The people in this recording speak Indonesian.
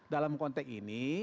dalam konteks ini